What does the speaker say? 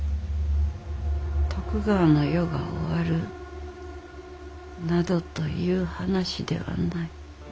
徳川の世が終わるなどという話ではない。